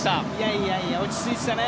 いやいや落ち着いてたね。